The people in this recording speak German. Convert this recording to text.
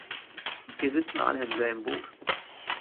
Wir sitzen alle im selben Boot.